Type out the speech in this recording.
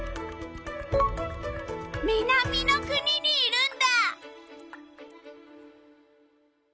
南の国にいるんだ。